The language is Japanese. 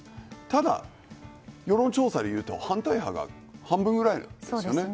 ただ、世論調査でいうと反対派が半分ぐらいいるんですよね。